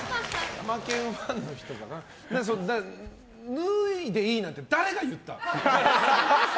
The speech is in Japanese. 脱いでいいなんて誰が言った？